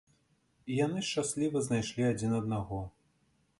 І яны шчасліва знайшлі адзін аднаго.